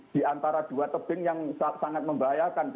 di antara dua tebing yang sangat membahayakan